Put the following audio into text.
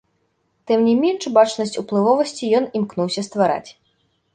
Тым не менш бачнасць уплывовасці ён імкнуўся ствараць.